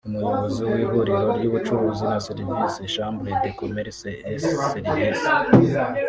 Umuyobozi mu Ihuriro ry’ubucuruzi na Serivisi (Chambre de Commerce et Services)